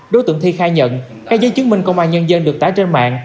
đối tượng thi khai nhận các giấy chứng minh công an nhân dân được tái trên mạng